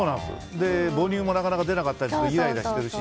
母乳もなかなか出なかったりするとイライラするし。